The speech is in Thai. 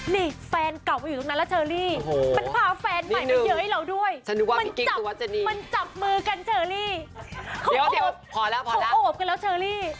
นี่แฟนเก่าไปอยู่ตรงนั้นแหละเชอรี่